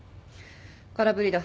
空振りだ。